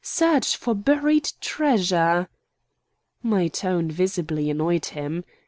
"Search for buried treasure?" My tone visibly annoyed him.